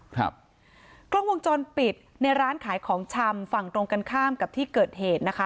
ครับกล้องวงจรปิดในร้านขายของชำฝั่งตรงกันข้ามกับที่เกิดเหตุนะคะ